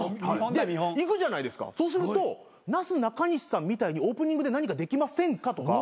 で行くじゃないですかそうするとなすなかにしさんみたいにオープニングで何かできませんかとか。